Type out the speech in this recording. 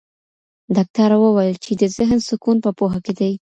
ډاکټر وویل چي د ذهن سکون په پوهه کې دی.